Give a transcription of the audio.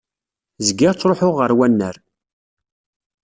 Zgiɣ ttṛuḥuɣ ar wannar.